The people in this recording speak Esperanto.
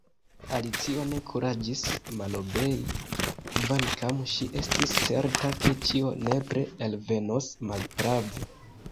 Alicio ne kuraĝis malobei, kvankam ŝi estis certa ke ĉio nepre elvenos malprave.